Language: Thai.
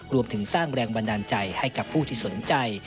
รวมถึงสร้างแรงบันดาลใจให้กับผู้ที่สนใจ